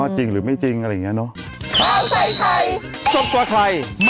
จริงหรือไม่จริงอะไรอย่างนี้เนอะ